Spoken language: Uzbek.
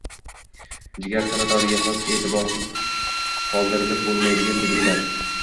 Jigar saratoniga xos e’tiborsiz qoldirib bo‘lmaydigan belgilar